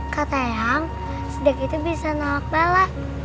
kata yang sedek itu bisa nolak bala